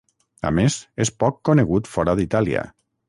A més, és poc conegut fora d'Itàlia.